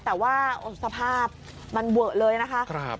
แต่ว่าสภาพมันเวอะเลยนะคะ